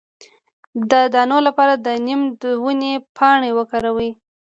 د دانو لپاره د نیم د ونې پاڼې وکاروئ